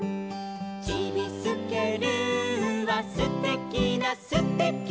「ちびすけルーはすてきなすてきな」